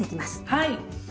はい！